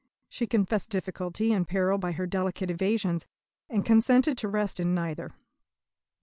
She confessed difficulty and peril by her delicate evasions, and consented to rest in neither.